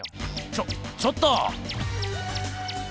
ちょちょっと！